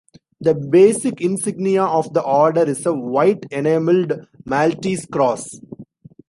The basic insignia of the Order is a white-enamelled Maltese cross.